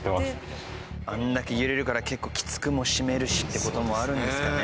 あんだけ揺れるから結構きつくも締めるしって事もあるんですかね。